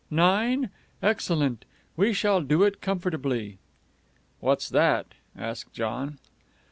Nine? Excellent. We shall do it comfortably." "What's that?" asked John.